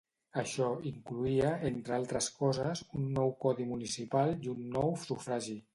Això incloïa, entre altres coses, un nou codi municipal i un nou sufragi.